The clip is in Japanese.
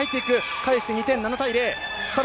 返して２点、７対０。